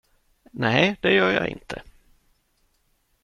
Nej, det gör jag inte.